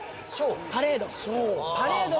パレード。